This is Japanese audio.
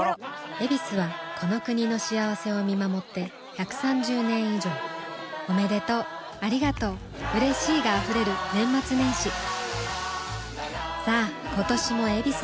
「ヱビス」はこの国の幸せを見守って１３０年以上おめでとうありがとううれしいが溢れる年末年始さあ今年も「ヱビス」で